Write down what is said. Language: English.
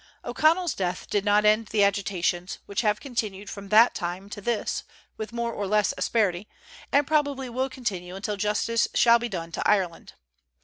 O'Connell's death did not end the agitations, which have continued from that time to this with more or less asperity, and probably will continue until justice shall be done to Ireland.